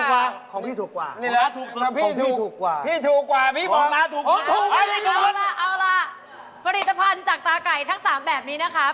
สวยงามแล้วถูกที่สุดของพี่ถูกกว่าผลิตภัณฑ์จากตาไก่ทั้ง๓แบบนี้นะครับ